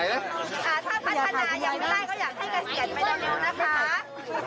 ไม่อยากให้เข้ามาทำงานอีแฮนด์ไม่อยากให้เข้ามาทำงานอีแฮนด์